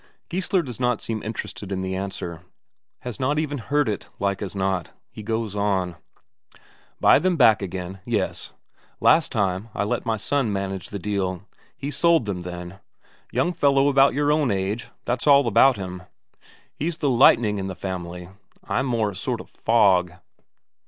Geissler does not seem interested in the answer; has not even heard it, like as not. He goes on: "Buy them back again yes. Last time, I let my son manage the deal; he sold them then. Young fellow about your own age, that's all about him. He's the lightning in the family, I'm more a sort of fog.